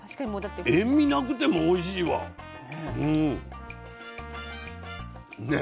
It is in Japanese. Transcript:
塩味なくてもおいしいわ。ね？